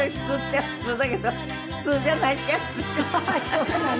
そうなの。